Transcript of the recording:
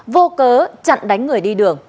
vô cớ chặn đánh người đi đường